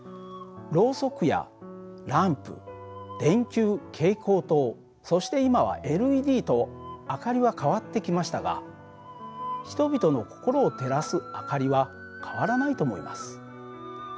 ろうそくやランプ電球蛍光灯そして今はＬＥＤと明かりは変わってきましたが人々の心を照らす明かりは変わらないと思います。